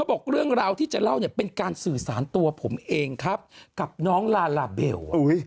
บอกเรื่องราวที่จะเล่าเนี่ยเป็นการสื่อสารตัวผมเองครับกับน้องลาลาเบล